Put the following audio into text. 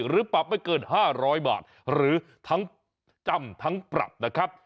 หรือปรับไม่เกิน๕๐๐บาทหรือทั้งจำทั้งปรับนะครับ